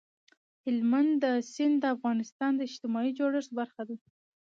هلمند سیند د افغانستان د اجتماعي جوړښت برخه ده.